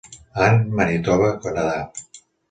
Anne, Manitoba, Canadà.